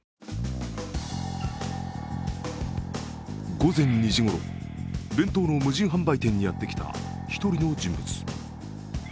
午前２時ごろ、弁当の無人販売店にやってきた１人の人物。